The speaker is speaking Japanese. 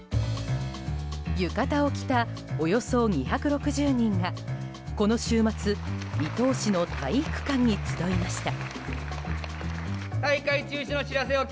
浴衣を着たおよそ２６０人がこの週末伊東市の体育館に集いました。